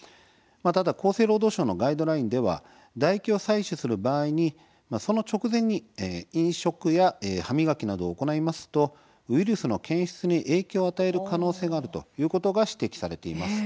厚生労働省のガイドラインでは唾液を採取する場合にその直前に飲食や歯磨きなどを行いますとウイルスの検出に影響を与える可能性があることが指摘されています。